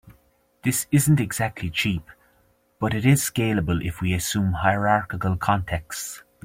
This isn't exactly cheap, but it is scalable if we assume hierarchical contexts.